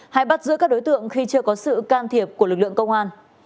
hay bắt giữ các đối tượng khi chưa có sự can thiệp của lực lượng công an